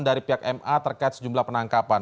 dari pihak ma terkait sejumlah penangkapan